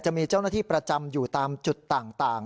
จะมีเจ้าหน้าที่ประจำอยู่ตามจุดต่าง